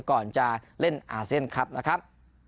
ก่อนจะเล่นอาเซียนคลับนะครับ